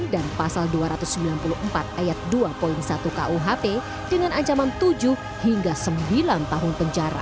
dua ratus delapan puluh sembilan dan pasal dua ratus sembilan puluh empat ayat dua satu kuhp dengan ancaman tujuh hingga sembilan tahun penjara